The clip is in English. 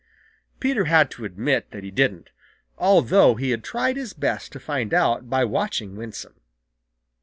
Peter had to admit that he didn't, although he had tried his best to find out by watching Winsome.